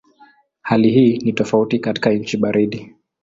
Hali hii ni tofauti katika nchi baridi.